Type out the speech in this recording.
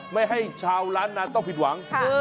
ไม่ให้ชาวล้านนาต้องผิดหวัง